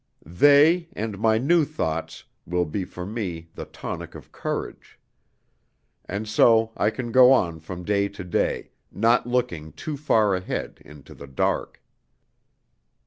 They, and my new thoughts, will be for me the tonic of courage; and so I can go on from day to day, not looking too far ahead, into the dark.